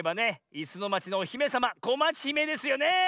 「いすのまち」のおひめさまこまちひめですよねえ！